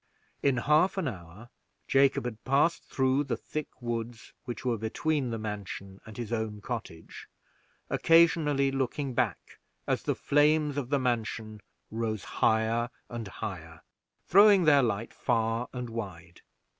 In half an hour Jacob had passed through the thick woods which were between the mansion and his own cottage, occasionally looking back, as the flames of the mansion rose higher and higher, throwing their light far and wide.